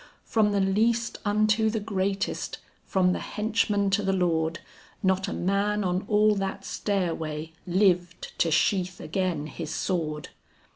From the least unto the greatest, from the henchman to the lord, Not a man on all that stairway lived to sheath again his sword.